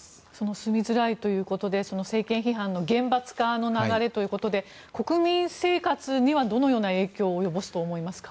住みづらいということで政権批判の厳罰化の流れということで国民生活には、どのような影響を及ぼすと思いますか。